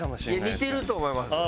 似てると思いますよ。